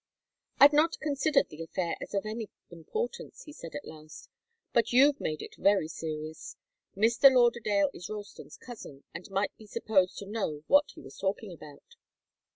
"I'd not considered the affair as of any importance," he said, at last. "But you've made it very serious. Mr. Lauderdale is Ralston's cousin, and might be supposed to know what he was talking about."